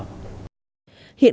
hiện các sản phẩm